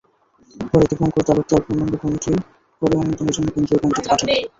পরে দীপংকর তালুকদার পূর্ণাঙ্গ কমিটি করে অনুমোদনের জন্য কেন্দ্রীয় কমিটিতে পাঠান।